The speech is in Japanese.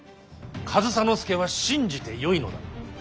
上総介は信じてよいのだな。